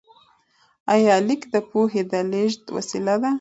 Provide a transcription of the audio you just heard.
آیا لیک د پوهې د لیږد وسیله ده؟